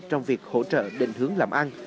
trong việc hỗ trợ định hướng làm ăn